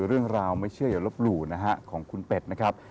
เรื่องราวไม่เชื่อหยุดรบรู้ของคุณเป็ดนะครับ